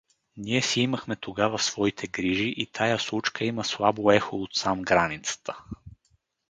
Ние си имахме тогава своите грижи и тая случка има слабо ехо отсам границата.